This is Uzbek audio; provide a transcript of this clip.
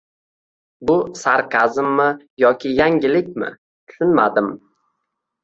Bu sarkazmmi yoki yangilikmi, tushunmadim